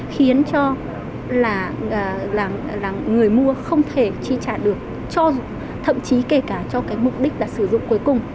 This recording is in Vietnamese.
khiến cho là người mua không thể chi trả được thậm chí kể cả cho cái mục đích là sử dụng cuối cùng